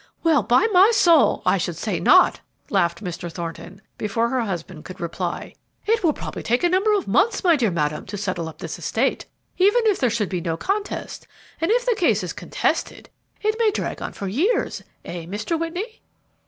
"Well, by my soul! I should say not," laughed Mr. Thornton, before her husband could reply. "It will probably take a number of months, my dear madam, to settle up this estate, even if there should be no contest; and if the case is contested, it may drag on for years, eh, Mr. Whitney?"